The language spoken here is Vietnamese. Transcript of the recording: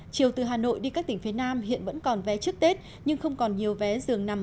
chiều từ hà nội đi các tỉnh phía nam hiện vẫn còn vé trước tết nhưng không còn nhiều vé dường nằm